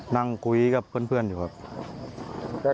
นั่งคุยกับเพื่อนอยู่ครับ